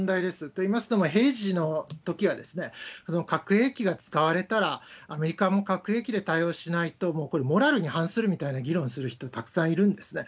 といいますのも、平時のときは、核兵器が使われたら、アメリカも核兵器で対応しないと、もうこれ、モラルに反するみたいな議論する人、たくさんいるんですね。